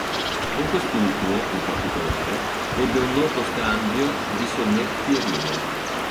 Con quest'ultimo, in particolare, ebbe un noto scambio di sonetti e rime.